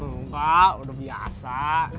enggak udah biasa